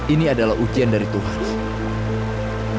ini adalah ujian dari tuhan